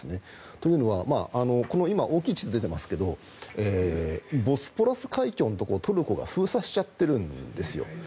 というのは今、大きい地図が出てますがボスポラス海峡のところをトルコが封鎖しちゃってるんですよ。